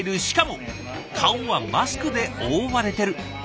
しかも顔はマスクで覆われてる。